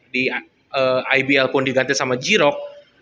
di ibl pun diganti sama g rock